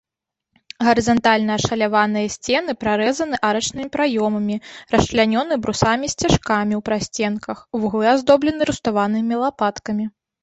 Гарызантальна ашаляваныя сцены прарэзаны арачнымі праёмамі, расчлянёны брусамі-сцяжкамі ў прасценках, вуглы аздоблены руставанымі лапаткамі.